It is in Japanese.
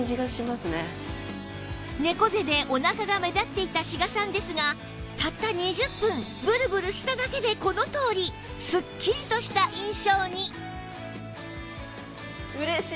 猫背でおなかが目立っていた志賀さんですがたった２０分ブルブルしただけでこのとおりすっきりとした印象に！